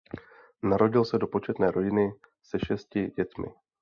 Narodil se do početné rodiny se šesti dětmi.